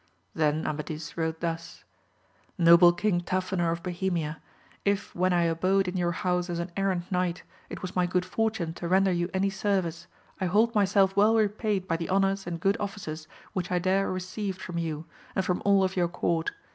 Then Amadis wrote thus. Noble King Tafinor of Bohemia, if when I abode in your house as an errant knight, it was my good fortune to render you any service, I hold myself well repaid by the honours and good offices which I there received from you and from all of your court.